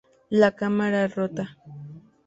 La cámara corta.